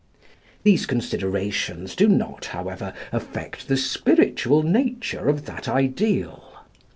These considerations do not, however, affect the spiritual nature of that ideal.